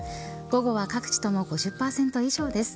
午後は各地とも５０％以上です。